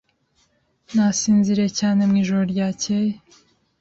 Nasinziriye cyane mwijoro ryakeye